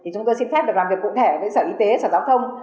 chúng tôi xin phép được làm việc cụ thể với sở y tế sở giáo thông